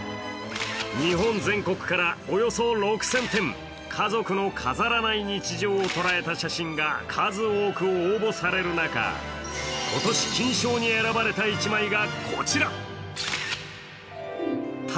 日本全国からおよそ６０００点、家族の飾らない日常を捉えた写真が数多く応募される中、今年、金賞に選ばれた一枚がこちら。